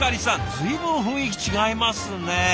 随分雰囲気違いますね。